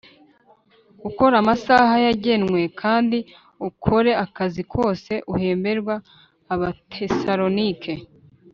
ukora amasaha yagenwe kandi ukore akazi kose uhemberwa Abatesalonike